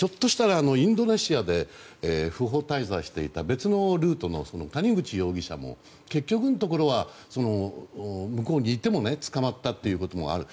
インドネシアで不法滞在していた別のルートの谷口容疑者も結局のところは向こうに行っても捕まったということもある。